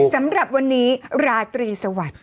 สำหรับวันนี้ราตรีสวัสดิ์